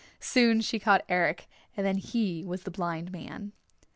Soon she caught Eric and then he was Blind Man.